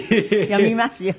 読みますよ。